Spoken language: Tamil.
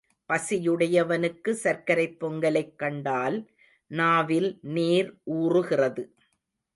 பசியுடையவனுக்கு சர்க்கரைப் பொங்கலைக் கண்டால் நாவில் நீர் ஊறுகிறது.